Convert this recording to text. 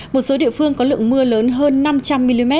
một số địa phương có lượng mưa lớn hơn năm trăm linh mm